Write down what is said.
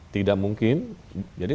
tidak mungkin jadi